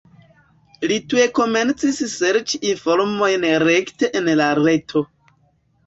Li tuj komencis serĉi informojn rekte en la reto.